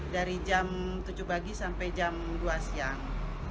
dari jam tujuh pagi sampai jam dua siang